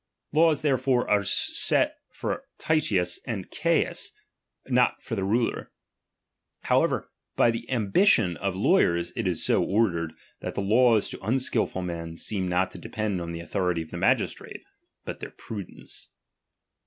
Laws therefore are set for Titius and Cains, not for the ruler. However, by the ambi tion of lawyers it is so ordered, that the laws to unskilful men seem not to depend on the authority of the magistrate, but their prudence.